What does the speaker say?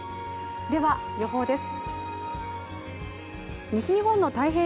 では、予報です。